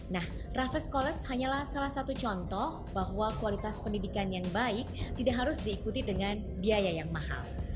nah raffles collets hanyalah salah satu contoh bahwa kualitas pendidikan yang baik tidak harus diikuti dengan biaya yang mahal